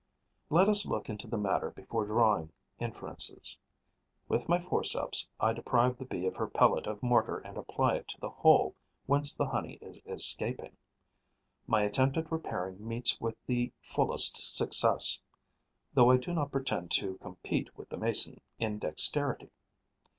Let us look into the matter before drawing inferences. With my forceps, I deprive the Bee of her pellet of mortar and apply it to the hole whence the honey is escaping. My attempt at repairing meets with the fullest success, though I do not pretend to compete with the Mason in dexterity.